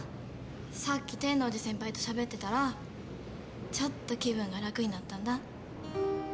さっき天王寺先輩としゃべってたらちょっと気分が楽になったんだ。